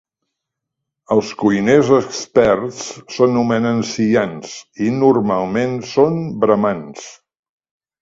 Els cuiners experts s'anomenen "siyans" i, normalment, són bramans.